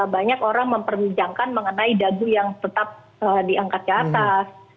banyak orang memperbincangkan mengenai dagu yang tetap diangkat ke atas